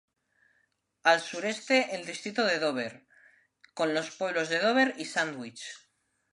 Al sureste el distrito de Dover, con los pueblos de Dover y Sándwich.